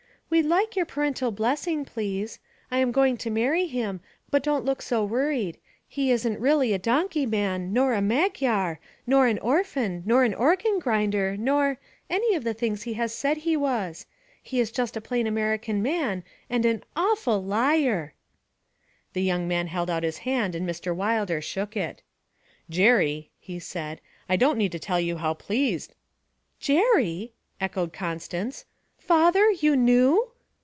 'We'd like your parental blessing, please. I'm going to marry him, but don't look so worried. He isn't really a donkey man, nor a Magyar, nor an orphan, nor an organ grinder, nor any of the things he has said he was. He is just a plain American man and an awful liar!' The young man held out his hand and Mr. Wilder shook it. 'Jerry,' he said, 'I don't need to tell you how pleased ' '"Jerry!"' echoed Constance. 'Father, you knew?'